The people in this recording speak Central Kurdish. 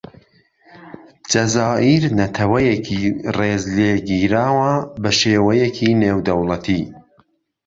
جەزائیر نەتەوەیەکی ڕێز لێگیراوە بەشێوەیەکی نێودەوڵەتی.